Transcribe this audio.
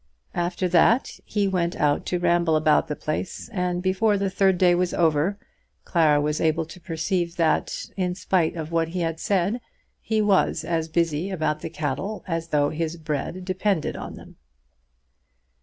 After that he went out to ramble about the place, and before the third day was over Clara was able to perceive that, in spite of what he had said, he was as busy about the cattle as though his bread depended on them.